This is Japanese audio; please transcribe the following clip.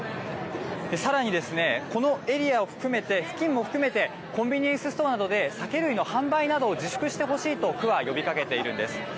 さらにこのエリアを含めて付近も含めてコンビニエンスストアなどで酒類の販売などを自粛してほしいと区は呼びかけているんです。